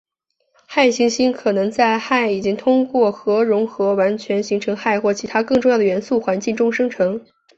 氦行星可能在氢已经通过核融合完全形成氦或其它更重元素的环境中生成。